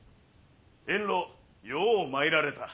遠路よう参られた。